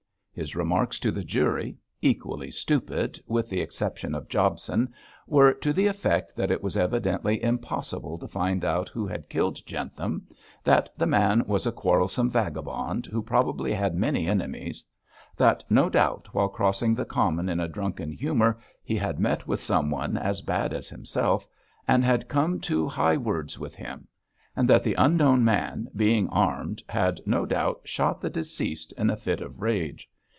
His remarks to the jury equally stupid, with the exception of Jobson were to the effect that it was evidently impossible to find out who had killed Jentham, that the man was a quarrelsome vagabond who probably had many enemies; that no doubt while crossing the common in a drunken humour he had met with someone as bad as himself, and had come to high words with him; and that the unknown man, being armed, had no doubt shot the deceased in a fit of rage.